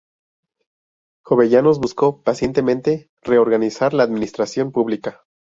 Jovellanos buscó pacientemente reorganizar la administración pública.